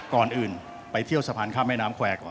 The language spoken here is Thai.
ก่อนอื่นไปเที่ยวสะพานข้ามแม่น้ำแควร์ก่อน